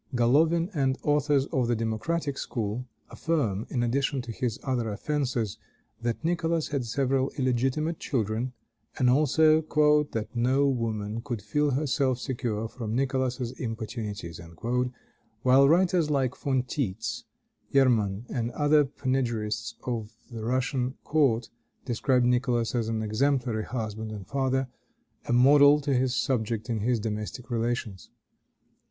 Golovin and authors of the democratic school affirm, in addition to his other offenses, that Nicholas had several illegitimate children, and also "that no woman could feel herself secure from Nicholas's importunities;" while writers like Von Tietz, Jermann, and other panegyrists of the Russian court, describe Nicholas as an exemplary husband and father, a model to his subjects in his domestic relations.